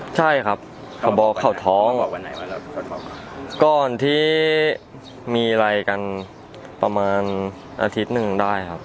ใช่ครับเขาบอกเขาท้องก่อนที่มีอะไรกันประมาณอาทิตย์หนึ่งได้ครับ